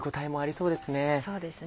そうですね。